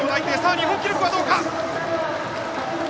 日本記録はどうか。